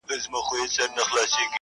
دوه یاران سره ملګري له کلونو٫